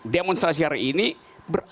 demonstrasi hari ini berhasil